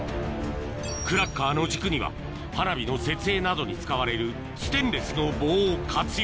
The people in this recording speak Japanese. クラッカーの軸には花火の設営などに使われるステンレスの棒を活用